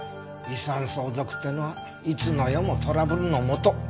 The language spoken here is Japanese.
遺産相続っていうのはいつの世もトラブルのもと。